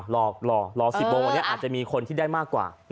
รอ๑๐โมงวันนี้อาจจะมีคนที่ได้มากกว่า